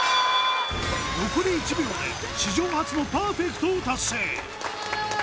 残り１秒で史上初のパーフェクトだ！